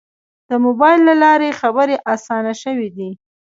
د موبایل له لارې خبرې آسانه شوې دي.